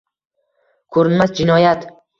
Ko‘rinmas jinoyat